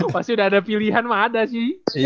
pasti udah ada pilihan mah ada sih